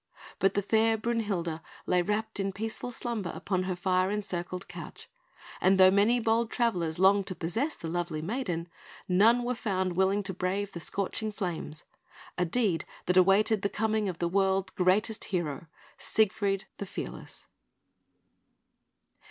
But the fair Brünhilde lay wrapped in peaceful slumber upon her fire encircled couch; and though many bold travellers longed to possess the lovely maiden, none were found willing to brave the scorching flames a deed that awaited the coming of the world's greatest hero, Siegfried the Fearless.